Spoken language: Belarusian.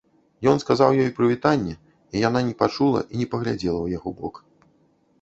Ён сказаў ёй прывітанне, і яна не пачула і не паглядзела ў яго бок.